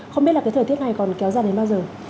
không biết là cái thời tiết này còn kéo dài đến bao giờ